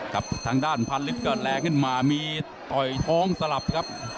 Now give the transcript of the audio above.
ทางด้านพันลิตรก็แรงขึ้นมามีต่อยท้องสลับครับ